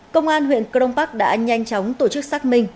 công an huyện crong park đã nhanh chóng tổ chức xác minh